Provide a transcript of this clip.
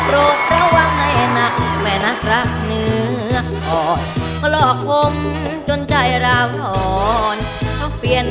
เลือกได้